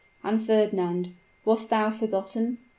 And, Fernand wast thou forgotten?